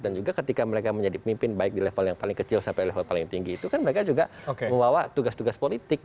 dan juga ketika mereka menjadi pemimpin baik di level yang paling kecil sampai level paling tinggi itu kan mereka juga membawa tugas tugas politik